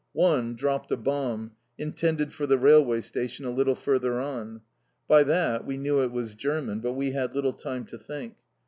One dropped a bomb, intended for the railway station a little further on. By that we knew it was German, but we had little time to think.